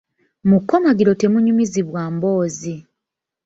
Mu kkomagiro temunyumizibwa mboozi.